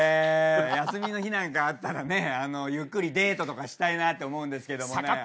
休みの日なんかあったらねゆっくりデートとかしたいなって思うんですけどもね。